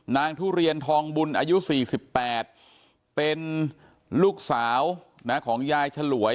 ทุเรียนทองบุญอายุ๔๘เป็นลูกสาวของยายฉลวย